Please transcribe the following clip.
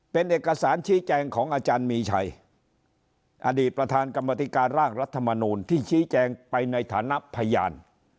เป็นเอกสารชี้แจงของอาจารย์มีชัยอดีตประธานกรรมธิการร่างรัฐมนูลที่ชี้แจงไปในฐานะพยาน